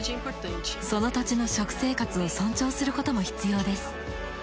その土地の食生活を尊重することも必要です。